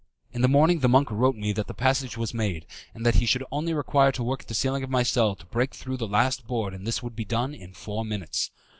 In the morning the monk wrote me that the passage was made, and that he should only require to work at the ceiling of my cell to break through the last board and this would be done in four minutes.